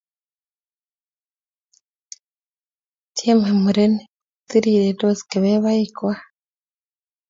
Tiemei murenik, tirirendos kebebaik kwai